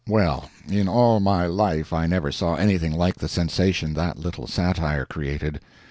Well, in all my life I never saw anything like the sensation that little satire created.